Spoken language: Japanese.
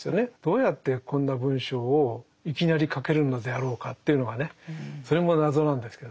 どうやってこんな文章をいきなり書けるのであろうかというのがねそれも謎なんですけどね。